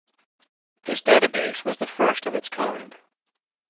This database was the first of its kind.